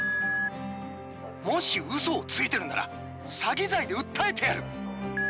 もし、うそをついてるんなら、詐欺罪で訴えてやる。